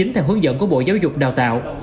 theo hướng dẫn của bộ giáo dục đào tạo